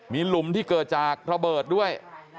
มีหลุมที่เกิดจากระเบิดด้วย